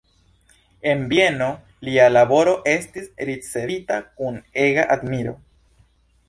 En Vieno lia laboro estis ricevita kun ega admiro.